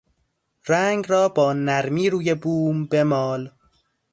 رنگ را با نرمی روی بوم بمال